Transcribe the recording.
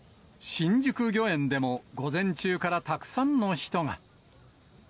新宿御苑でも午前中からたくさんの人が。